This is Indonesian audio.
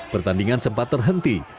pertandingan sempat terhenti